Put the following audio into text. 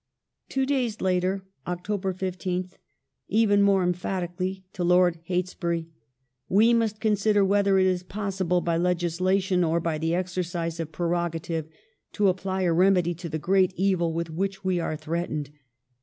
Two days later (Oct. . 15th) even more emphatically to Lord Heytesbury :" We must consider whether it is possible by legislation or by the exercise of prerogative to apply a remedy to the great evil with which we are threatened.